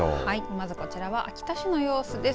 まずこちらは秋田市の様子です。